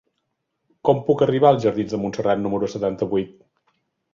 Com puc arribar als jardins de Montserrat número setanta-vuit?